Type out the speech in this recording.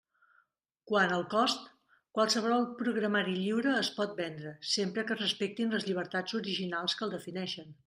Quant al cost, qualsevol programari lliure es pot vendre, sempre que es respectin les llibertats originals que el defineixen.